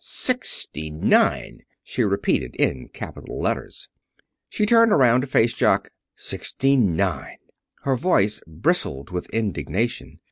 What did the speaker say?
"SIXTY NINE!" she repeated in capital letters. She turned around to face Jock. "Sixty nine!" Her voice bristled with indignation.